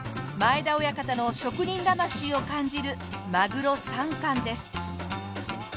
前田親方の職人魂を感じるマグロ３貫です。